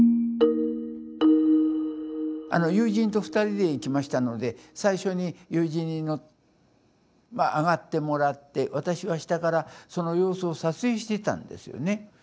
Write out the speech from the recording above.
あの友人と２人で行きましたので最初に友人に上がってもらって私は下からその様子を撮影してたんですよね。